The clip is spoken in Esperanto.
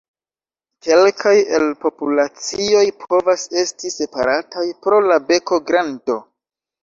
Kelkaj el la populacioj povas esti separataj pro la beko grando.